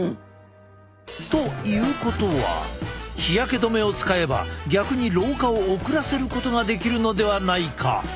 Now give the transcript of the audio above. ということは日焼け止めを使えば逆に老化を遅らせることができるのではないか？